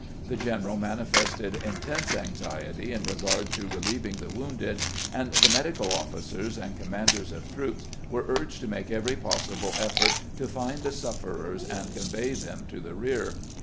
The general manifested intense anxiety in regard to re lieving the wounded, and the medical officers and the commanders of troops were urged to make every possi ble effort to find the sufferers and convey them to the rear.